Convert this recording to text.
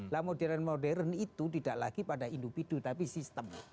nah modern modern itu tidak lagi pada individu tapi sistem